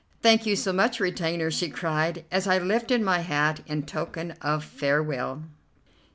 "Thank you so much, retainer," she cried, as I lifted my hat in token of farewell.